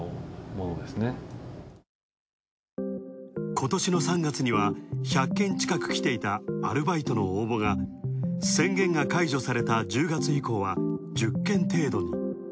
今年の３月には１００件近くきていたアルバイトの応募が、宣言が解除された１０月以降は、１０件程度に。